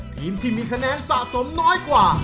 ทีมที่มีคะแนนสะสมน้อยกว่า